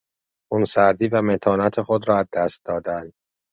خونسردی و متانت خود را از دست دادن